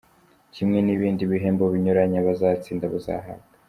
Kimwe n’ibindi bihembo binyuranye abazatsinda bazahabwa.